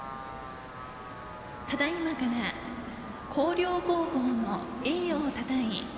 ただいまから広陵高校の栄誉をたたえ